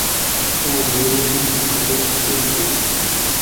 তার মূল নাম মালিক ইনদিল।